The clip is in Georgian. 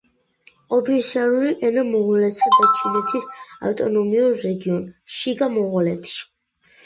ოფიციალური ენა მონღოლეთსა და ჩინეთის ავტონომიურ რეგიონ შიგა მონღოლეთში.